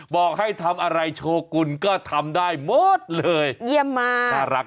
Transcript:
บอกให้ทำอะไรโชว์กุลก็ทำได้หมดเลยเยี่ยมมากน่ารัก